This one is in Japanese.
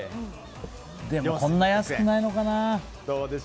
でもこんな安くないのかな。